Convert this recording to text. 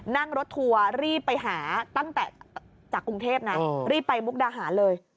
นั่งรถทัวร์รีบไปหาตั้งแต่จากกรุงเทพนะรีบไปมุกดาหารเลย